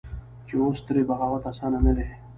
چې اوس ترې بغاوت اسانه نه دى.